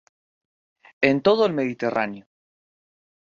En todo el Mediterráneo.